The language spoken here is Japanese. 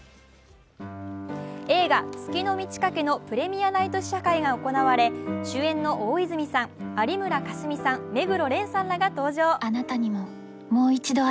映画「月の満ち欠け」のプレミアナイト試写会が行われ主演の大泉さん、有村架純さん目黒蓮さんらが登場。